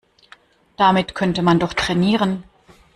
Damit könnte man doch trainieren.